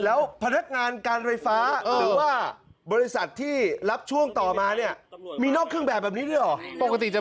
แล้วพนักงานการไฟฟ้าหรอว่าบริษัทที่รับช่วงต่อมามีหน้าเชื่อแบบแบบนี้หรอ